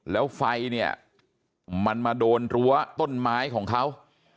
แล้วไฟเนี่ยมันมาโดนรั้วต้นไม้ของเขา